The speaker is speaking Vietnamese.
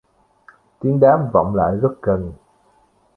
tiếng đáp vọng lại rất gần